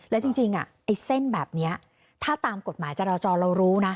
แล้วจริงไอ้เส้นแบบนี้ถ้าตามกฎหมายจราจรเรารู้นะ